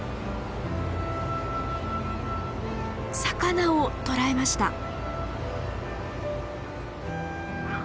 魚を捕らえました。